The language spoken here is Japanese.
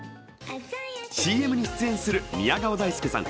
ＣＭに出演する宮川大輔さん